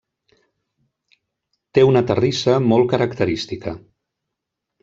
Té una terrissa molt característica.